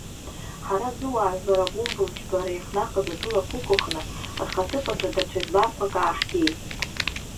Ҳара, зыуаажәлар агәымбылџьбара ихнахыз атәылақәа ықәыхны рхаҭыԥаҿы даҽа жәларқәак ааҳгеит.